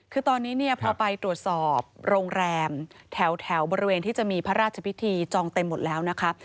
คือตอนนี้เนี่ยพอไปตรวจสอบโรงแรมแถวบริเวณที่จะมีพระราชพิธีจองเต็มหมดแล้วนะคะ